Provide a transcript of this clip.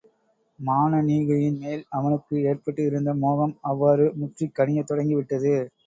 மானனீகையின் மேல் அவனுக்கு ஏற்பட்டிருந்த மோகம், அவ்வாறு முற்றிக் கனியத் தொடங்கிவிட்டது.